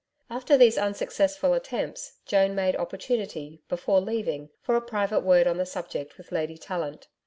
After these unsuccessful attempts, Joan made opportunity, before leaving, for a private word on the subject with Lady Tallant.